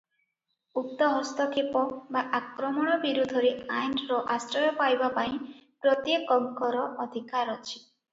ଉକ୍ତ ହସ୍ତକ୍ଷେପ ବା ଆକ୍ରମଣ ବିରୁଦ୍ଧରେ ଆଇନର ଆଶ୍ରୟ ପାଇବା ପାଇଁ ପ୍ରତ୍ୟେକଙ୍କର ଅଧିକାର ଅଛି ।